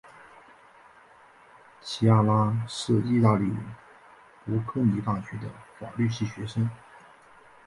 琪亚拉是意大利博科尼大学的法律系学生。